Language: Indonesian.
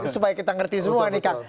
supaya kita ngerti semua nih kang